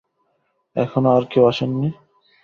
এখনো আর কেউ আসেন নি?